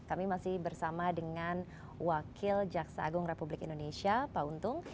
kami masih bersama dengan wakil jaksa agung republik indonesia pak untung